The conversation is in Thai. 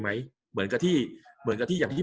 กับการสตรีมเมอร์หรือการทำอะไรอย่างเงี้ย